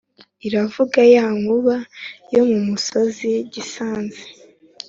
iravuga ya nkuba yo mu misozi gisanze